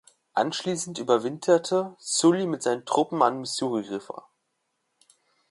Anschließend überwinterte Sully mit seinen Truppen am Missouri River.